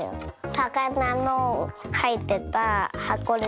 さかなのはいってたはこで。